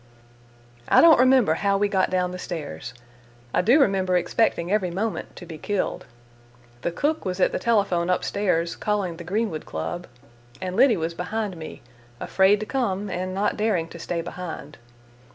I don't remember how we got down the stairs: I do remember expecting every moment to be killed. The cook was at the telephone up stairs, calling the Greenwood Club, and Liddy was behind me, afraid to come and not daring to stay behind.